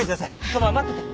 このまま待ってて。